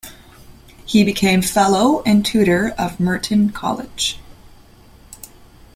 He became Fellow and Tutor of Merton College.